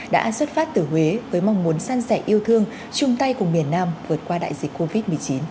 đã xuất phát từ huế với mong muốn san sẻ yêu thương chung tay cùng miền nam vượt qua đại dịch covid một mươi chín